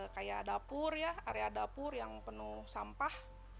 kayak dapur ya area dapur yang penuh sampah